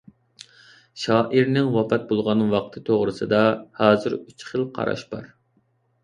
شائىرنىڭ ۋاپات بولغان ۋاقتى توغرىسىدا ھازىر ئۈچ خىل قاراش بار.